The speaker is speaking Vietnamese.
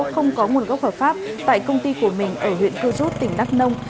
không có nguồn gốc hợp pháp tại công ty của mình ở huyện cư rút tỉnh đắk nông